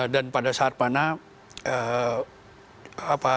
dan pada saat mana